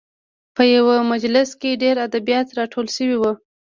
په یوه مجلس کې ډېر ادیبان راټول شوي وو.